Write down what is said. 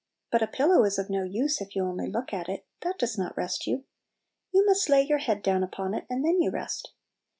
But a pillow is of no use if you only look at it; that does not rest you. You must lay your head down upon it, and then you rest.